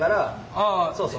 あそうそう。